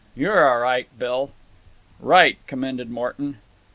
You're a' right, Bill." "Right," commended Morton.